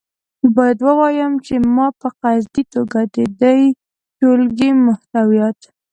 باید ووایم چې ما په قصدي توګه د دې ټولګې محتویات.